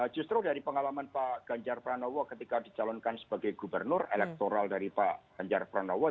justru dari pengalaman pak ganjar pranowo ketika dicalonkan sebagai gubernur elektoral dari pak ganjar pranowo